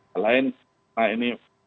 hal lain nah ini